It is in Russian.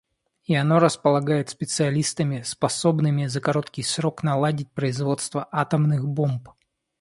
И оно располагает специалистами, способными за короткий срок наладить производство атомных бомб.